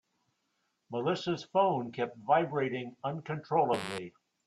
Melissa's phone kept vibrating uncontrollably.